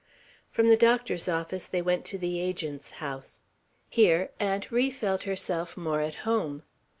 From the doctor's office they went to the Agent's house. Here, Aunt Ri felt herself more at home.